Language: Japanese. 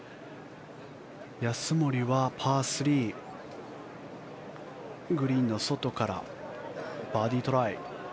安森はパー３、グリーンの外からバーディートライ。